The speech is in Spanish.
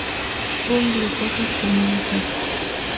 Bungle cosas como esas.